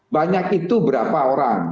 banyak itu berapa orang